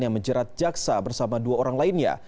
yang menjerat jaksa bersama dua orang lainnya